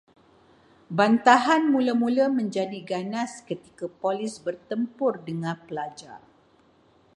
Bantahan mula-mula menjadi ganas ketika polis bertempur dengan pelajar